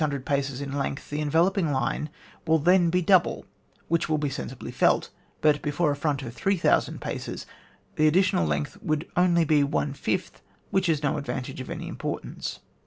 Before a front of 600 paces in lengthy the enveloping line will then be double, which wiU be sensibly felt ; but before a front of 3,000 paces the addi tional length would only be one fifth, which is no advantage of any importance 379.